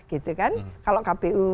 gitu kan kalau kpu